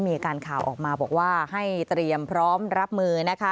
มีการข่าวออกมาบอกว่าให้เตรียมพร้อมรับมือนะคะ